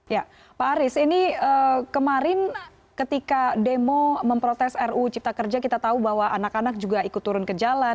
ya pak aris ini kemarin ketika demo memprotes ruu cipta kerja kita tahu bahwa anak anak juga ikut turun ke jalan